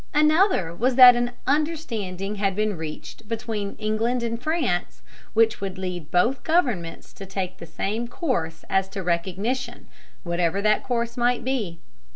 Another was that an understanding had been reached between England and France which would lead both governments to take the same course as to recognition, whatever that course might be.